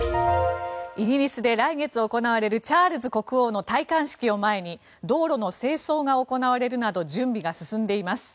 イギリスで来月行われるチャールズ国王の戴冠式を前に道路の清掃が行われるなど準備が進んでいます。